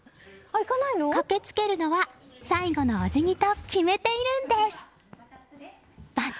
駆けつけるのは最後のお辞儀と決めているんです。